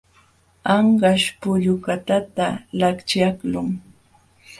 Anqaśh pullukatata laćhyaqlun.